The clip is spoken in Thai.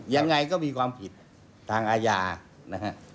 ยังไงก็มีความผิดทางอาญานะฮะ